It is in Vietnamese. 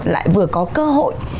lại vừa có cơ hội